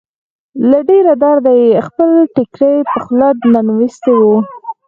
له ډېره درده يې خپل ټيکری په خوله ننوېستی و.